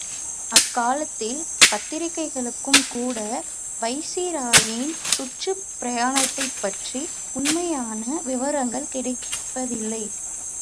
அக்காலத்தில் பத்திரிகைகளுக்கும்கூட வைசிராயின் சுற்றுப் பிரயானத்தைப் பற்றி உண்மையான விவரங்கள் கிடைப்பதில்லை.